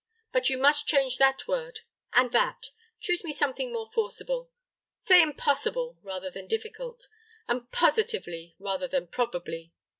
But you must change that word and that. Choose me something more forcible. Say impossible, rather than difficult; and positively, rather than probably.